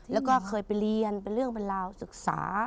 แล้วก็เคยไปเรียนเป็นเรื่องเป็นราวศึกษา